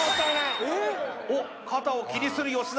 おっ肩を気にする吉澤